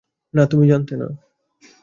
না, তুমি জানতে না।